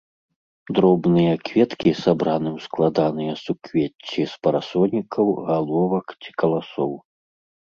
Дробныя кветкі сабраны ў складаныя суквецці з парасонікаў, галовак ці каласоў.